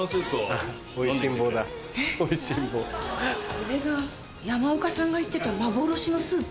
これが山岡さんが言ってた幻のスープ？